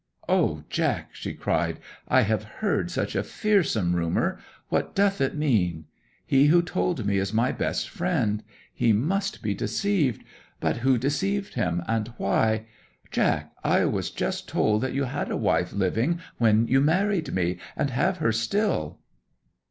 'O, Jack!' she cried. 'I have heard such a fearsome rumour what doth it mean? He who told me is my best friend. He must be deceived! But who deceived him, and why? Jack, I was just told that you had a wife living when you married me, and have her still!'